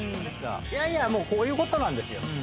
もうこういうことなんですよ。